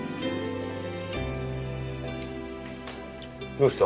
どうした？